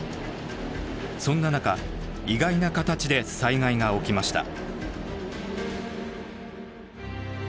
そんな中意外な形で災害が起きました。